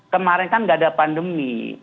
kemarin kan nggak ada pandemi